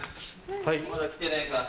まだ来てねえか。